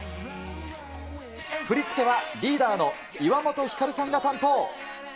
振り付けはリーダーの岩本照さんが担当。